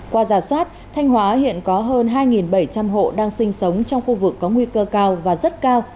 qua giả soát thanh hóa hiện có hơn hai bảy trăm linh hộ đang sinh sống trong khu vực có nguy cơ cao và rất cao